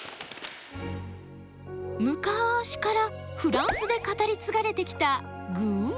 むかしからフランスで語り継がれてきたグぅ！